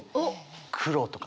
黒とか。